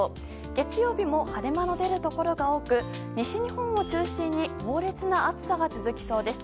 月曜日も晴れ間の出るところが多く西日本を中心に猛烈な暑さが続きそうです。